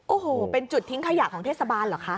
โอ้โหเป็นจุดทิ้งขยะของเทศบาลเหรอคะ